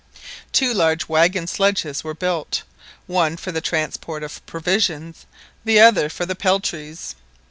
Two large waggon sledges were built, one for the transport of provisions, the other for the peltries.